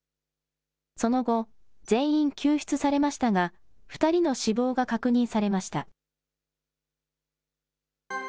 その後、全員救出されましたが、２人の死亡が確認されました。